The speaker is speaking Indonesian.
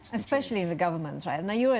terutama di pemerintah bukan